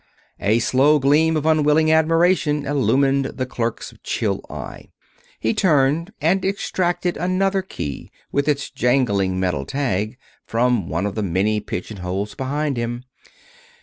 A slow gleam of unwilling admiration illumined the clerk's chill eye. He turned and extracted another key with its jangling metal tag, from one of the many pigeonholes behind him.